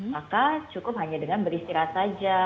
maka cukup hanya dengan beristirahat saja